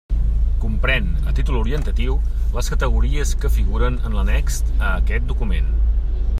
Comprén, a títol orientatiu, les categories que figuren en l'annex a aquest document.